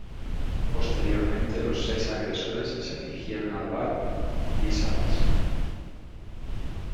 Posteriormente los seis agresores se dirigieron al bar Vis a Vis.